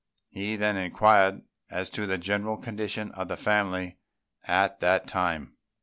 He then inquired as to the general condition of the family at that time.